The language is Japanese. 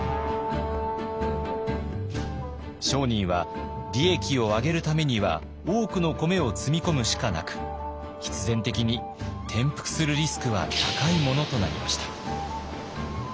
商人は利益を上げるためには多くの米を積み込むしかなく必然的に転覆するリスクは高いものとなりました。